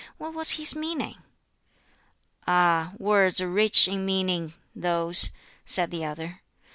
What was his meaning?" "Ah! words rich in meaning, those," said the other.